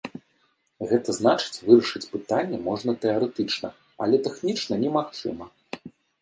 Гэта значыць, вырашыць пытанне можна тэарэтычна, але тэхнічна немагчыма.